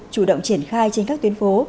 chủ động triển khai trên các tuyến phố